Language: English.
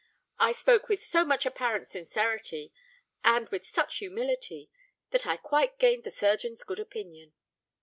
"I spoke with so much apparent sincerity, and with such humility, that I quite gained the surgeon's good opinion.